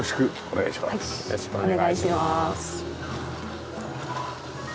お願いします。